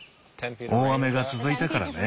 大雨が続いたからね。